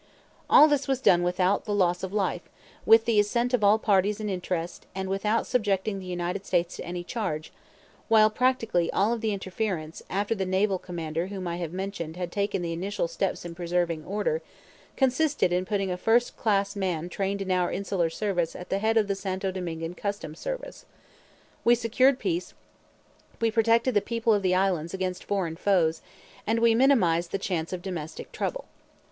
All this was done without the loss of a life, with the assent of all the parties in interest, and without subjecting the United States to any charge, while practically all of the interference, after the naval commander whom I have mentioned had taken the initial steps in preserving order, consisted in putting a first class man trained in our insular service at the head of the Santo Domingan customs service. We secured peace, we protected the people of the islands against foreign foes, and we minimized the chance of domestic trouble.